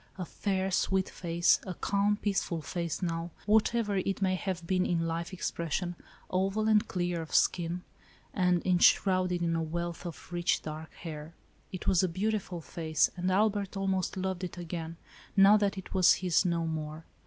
A fair, sweet face, a calm, peaceful face now, whatever it may have been in life expression, oval and clear of skin, and enshrouded in a wealth of rich dark hair. It was a beautiful face and Albert almost loved it again, now that it was his no more.